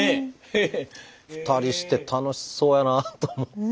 ２人して楽しそうやなと思って。